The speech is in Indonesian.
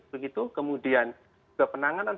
begitu kemudian juga penanganan